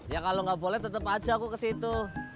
ya kalau gak boleh tetep aja aku ke situ